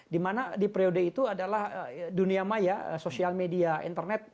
dimana di periode itu adalah dunia maya sosial media internet